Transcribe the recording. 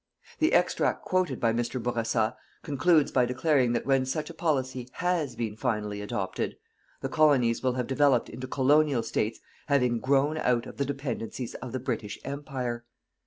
The extract quoted by Mr. Bourassa concludes by declaring that when such a policy has been finally adopted, the Colonies will have developed into Colonial States having grown out of the dependencies of the British Empire.